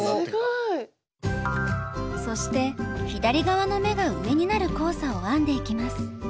すごい！そして左側の目が上になる交差を編んでいきます。